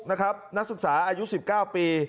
นักศึกษาอายุ๑๙ปี